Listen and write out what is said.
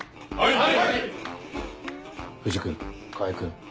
はい！